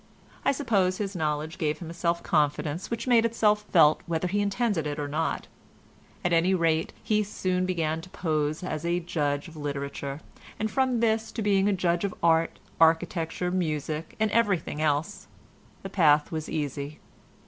I suppose his knowledge gave him a self confidence which made itself felt whether he intended it or not; at any rate, he soon began to pose as a judge of literature, and from this to being a judge of art, architecture, music and everything else, the path was easy.